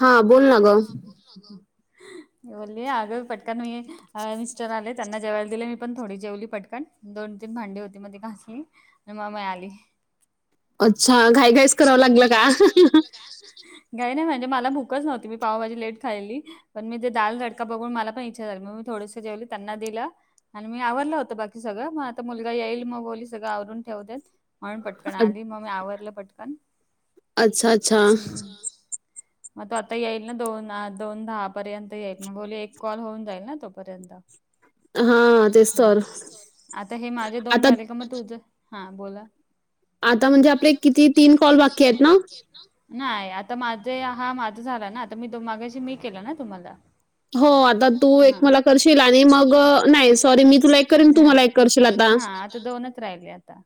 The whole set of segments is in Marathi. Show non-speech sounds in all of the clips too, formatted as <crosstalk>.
हा बोल ना ग ना ग मी बोलली अगं पटकन मी अ मिस्टर आले. त्यांना जेवायला दिले. मी पण थोडी जेवली पटकन. दोन तीन भांडी होती. म ती घासली. आणि म म्या आली. अच्छा, घाई घाईच करावं लागलं का? <unintelligible> घाई नायं म्हणजे, मला भूकच नव्हती. मी पावभाजी लेट खालेली पण मी ते दाल तडका बघून, मला पण इच्छा झाली. म मी थोडस जेवली. त्यांना दिल आणि मी आवरल होतं. बाकी सगळं म आता मुलगा येईल, म सगळं आवरून ठेऊदेत. म्हणून पटकन अ आली. म मी आवरलं पटकन हूं अच्छा अच्छा म तो आता येईल ना, दोन आ दोन दहा पर्यंत येईल. म बोली एक कॉल होऊन जाईल ना तोपर्यंत. हां, तेच हा तर. ते सॉल आता, हे माझे दोन आता झाले का, म तुझ. हा बोला. आता म्हणजे आपले किती, तीन कॉल बाकी येत ना? नायं आता माझे हा माझा झाला ना, आता मी मगाशी मी केलं ना तुम्हाला हो, आता तू एक हा मला करशील, आणि मग नायं सॉरी मी तुला एक करीन, तु मला एक करशील आता. हा, आता दोनच राहिले आता.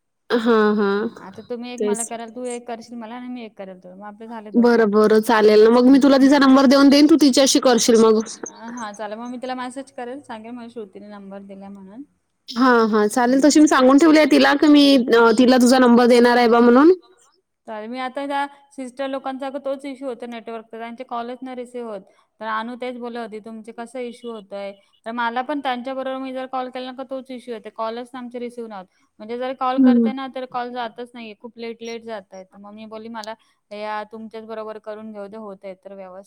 हां, हां. हा आता तुम्ही एक मला तेच. करा. त तू एक करशील मला आणि मी एक करल तुला म आप बरं बरं चालेल, मग मी तुला तिचा नंबर देऊन देईन, तू तिच्याशी करशील मग. हा चालेल, म मी तला मेसेज करेल, सांगेल, मला श्रुतीने नंबर दिलायं म्हणून हा हा चालेल, तशी मी सांगून ठेवलीया तिला की मी तिला तुझा नंबर देणार हाय बा म्हणून. चालेल मी आता दा सिस्टर लोकांचा अग तोच इश्यू होतयं नेटवर्कचा त्यांचे कॉलच नाय रिसीव्ह होत. त अनु तेच बोलत होती तुमचे कसं इश्यू होतंय. त मला पण त्यांच्या बरोबर मी जर कॉल केला ना तोच इश्यू येतयं कॉलच आमचे रिसीव्ह नाय होय म्हणजे जर कॉल हं. करते ना तर कॉल जातच नायं येत. लेट लेट जातायत त म मी बोली मला या तुमच्याच बरोबर करून घेऊ देे होतय तर व्यव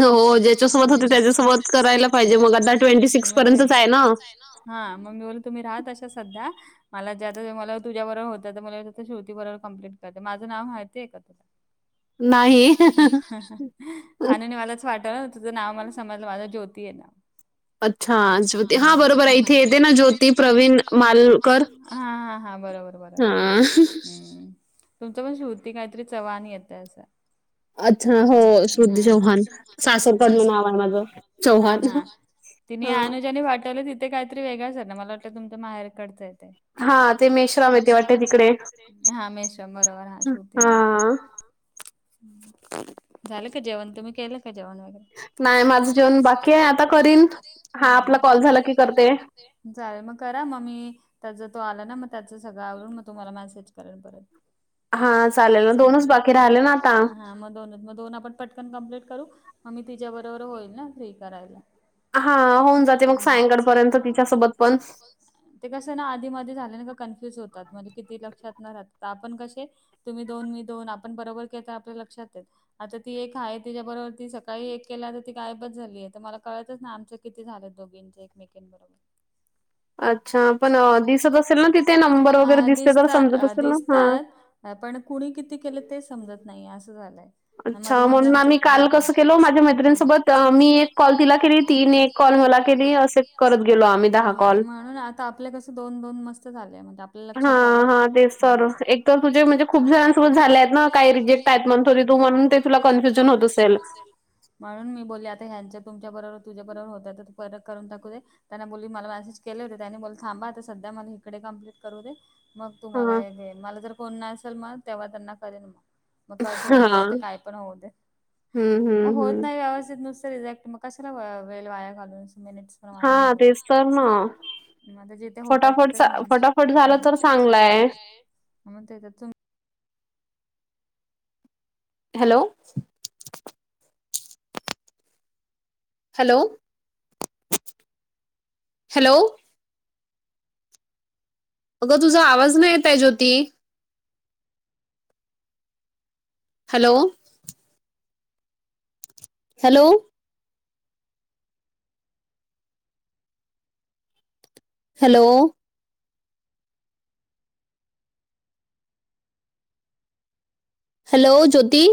हो ज्याच्यासोबत होते त्याच्यासोबत करायला पाहिजे मग आता ट्वेंटी सिक्स हम्म. मग ते पर्यंतच आहे ना. हा मग मी बोल तुम्ही राह तशा सध्या मला ज्या मला तुझ्या बरोबर होत तर मला <unintelligible> श्रुती बरोबर कम्प्लिट करते माझ नाव माहिती हाय का तुला नाही. आनु नी मलाच पाठवलं तुझं नाव मला समजलं माझं ज्योती ये नाव अच्छा, ज्योती हा बरोबर ये इथे येते ना ज्योती प्रवीण मालकर. मालुकर. हा हा हा बरोबर बरोबर हां. हम्म. तुमच पण श्रुती कायंतरी चव्हाण येतयं असं अच्छा हो श्रुती चौहान सासरकडलं नाव सासर हाय माझं हा हा. चौहान. चव्हाण. तिने हां. अनुजानी पाठवले तिथे कायंतरी वेगळंच येते मला वाटलं तुमच्यां माहेर कडचंय ते हां, ते हा मेश्राम येते तेशम वाटते त तिकडे. हा <unintelligible> मेश्रम बरोबर हा शट मशम हां. झालं का जेवण तुम्ही केलं का जेवण वगैरे. न नाही माझं जेवण बाकी आहे आता करीन. करील हा आपला कॉल झाला की करते. चालेल मग करा मग मी त्याच तो आला ना मग त्याच सगळं आवरुन मग तुम्हाला मेसेज केल परत. हां, चालेल ना. बाकी राहिले ना आता. मग द म दोन आपण. पटकन कंप्लीट करू मग मी तिच्याबरोबर होईल ना फ्री करायला. हा होऊन जाते मग सायंकाळपर्यंत तिच्यासोबत पण ते कसं ना आधी मधी झाले का कन्फ्युज होतात म्हणजे किती लक्षात न राहत आपण कशा ''--'' तुम्ही दोन मी दोन आपण बरोबर के तर आपल्या लक्षात हाय. आता ती एक आहे त्यािच्या बरोबर ती सकाळी एक केल्या तर ती गायबच झाली आहे तर मला कळतच ना आमचं किती झालं दोघी. ज एक मेकन बरोबर. अच्छा अ, पण असेल ना दिसत तिथे नंबर वगैरे दिसते असेल तर समजत ना असेल हां. तिथे. पण कुणी किती केलं ते समजत नाही असं झालंय. मध्ये अच्छा मध्ये हो, म्हणून आमच्या आम्ही इकडे काल कसं काय केलो माझ्या हां. मैत्रिणीसोबत मी एक कॉल तिला केली तीने एक. कॉल मला क असे करत गेलो आम्ही दहा कॉल. ता आपल्या कसं दोन दोन मस्त झाले मग ते आपले. हा हा ते सर एकदम. तुझे म्हणजे खूप जणांसोब झाले आहेत ना काही रिजेक्ट आहेत म्हणून तू म्हणून ते तुला कन्फ्युजन होत असेल. म्हणून मी बोलले आता ह्यांच तुमच्या बरोबर तुझ्या बरोबर होत तर परत करून टाकू दे. त्यांना बोलली मला मेसेज केले होते त्यांनी ब थांबाता सध्या मला इकडे कमप्लीट करू दे. मग तुम्हाला हां, हे घे मला जर कोण ना असेल मग तेव्हा त्यांना करेन मी. मग कट होऊ दे नाही तर हां. काय पण होऊ दे. हं, हं, हं. कसला वेल वेळ वाया घालून मिनिट. हां, तेच तर ना. याालता जिथे होतात फटाफट तिथेच चा माणस फटाफट झालं तर चांगलं आहे. चांगय. म तेजात तुम्ही. हॅलो. Hello hello. अगं तुझा आवाज नाही येत आहे Jyoti. Hello. Hello. Hello. Hello ज्योती.